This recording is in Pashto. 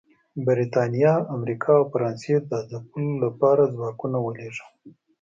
برېټانیا، امریکا او فرانسې د ځپلو لپاره ځواکونه ولېږل